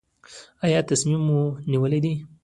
ایا تصمیم مو نیولی دی؟